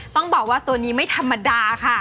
ต้องบอกว่าตัวนี้ไม่ธรรมดาค่ะ